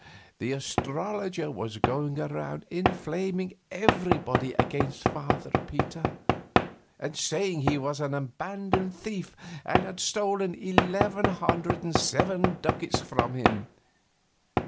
The astrologer was going around inflaming everybody against Father Peter, and saying he was an abandoned thief and had stolen eleven hundred and seven gold ducats from him.